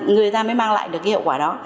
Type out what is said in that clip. người ta mới mang lại được hiệu quả đó